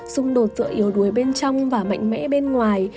xung đột giữa yếu đuối bên trong và mạnh mẽ bên ngoài